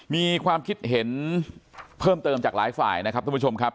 มีความคิดเห็นเพิ่มเติมจากหลายฝ่ายนะครับท่านผู้ชมครับ